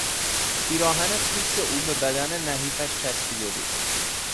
پیراهن خیس او به بدن نحیفش چسبیده بود.